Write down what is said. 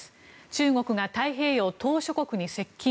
中国が太平洋島しょ国に接近。